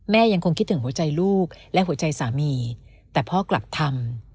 ยังคงคิดถึงหัวใจลูกและหัวใจสามีแต่พ่อกลับทำ